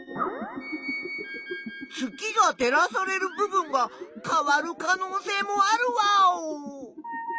月が照らされる部分が変わる可能性もあるワーオ。